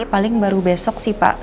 paling baru besok sih pak